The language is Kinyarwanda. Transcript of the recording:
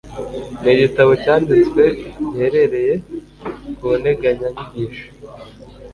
Ni igitabo cyanditswe gihereye ku nteganya nyigisho